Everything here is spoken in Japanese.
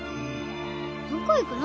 どこ行くの？